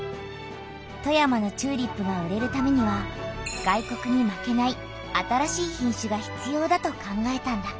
富山のチューリップが売れるためには外国に負けない新しい品種が必要だと考えたんだ。